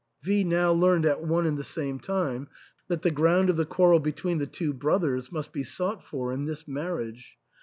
V now learned at one and the same time that the ground of the quarrel between the two brothers must be sought for in this marriage.